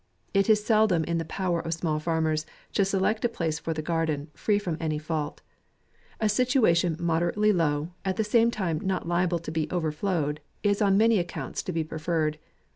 It is seldom in the power of small farmers to select a place for the garden, free from any fault. A situ ation moderately low, at the same time not liable to be overflowed, is on many accounts to be preferred.